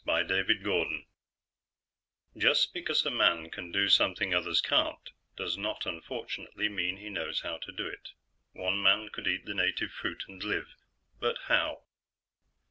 BY DAVID GORDON Illustrated by Emsh _Just because a man can do something others can't does not, unfortunately, mean he knows how to do it. One man could eat the native fruit and live ... but how?